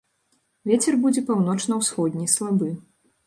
Вецер будзе паўночна-ўсходні, слабы.